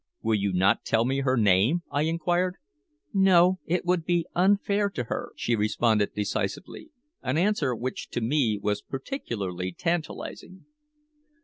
"Will you not tell me her name?" I inquired. "No, it would be unfair to her," she responded decisively, an answer which to me was particularly tantalizing.